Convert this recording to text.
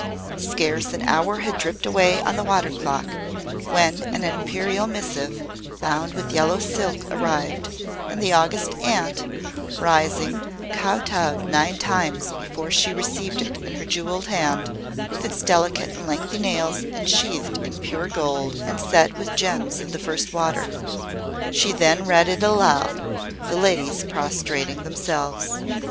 Scarce an hour had dripped away on the water clock when an Imperial Missive bound with yellow silk arrived, and the August Aunt, rising, kotowed nine times before she received it in her jewelled hand with its delicate and lengthy nails ensheathed in pure gold and set with gems of the first water. She then read it aloud, the ladies prostrating themselves.